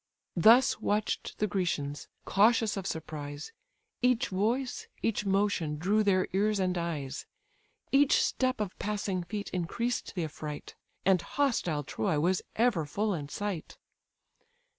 Thus watch'd the Grecians, cautious of surprise, Each voice, each motion, drew their ears and eyes: Each step of passing feet increased the affright; And hostile Troy was ever full in sight.